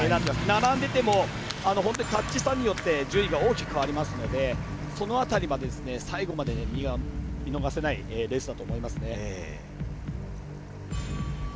並んでいても、本当にタッチ差によって順位が大きく変わるのでその辺りまで最後まで見逃せないレースだと思います。